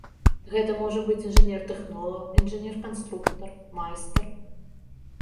Гэта можа быць інжынер-тэхнолаг, інжынер-канструктар, майстар.